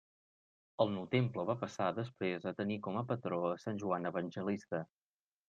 El nou temple va passar, després, a tenir com a patró a Sant Joan Evangelista.